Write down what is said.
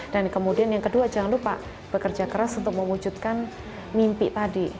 dan kemudian yang kedua jangan lupa bekerja keras untuk mewujudkan mimpi tadi